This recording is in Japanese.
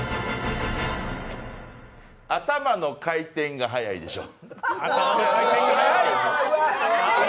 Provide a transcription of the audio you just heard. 頭の回転が早い、でしょ。